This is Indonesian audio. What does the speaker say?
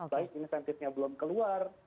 baik insentifnya belum keluar